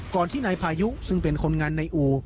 ที่นายพายุซึ่งเป็นคนงานในอู่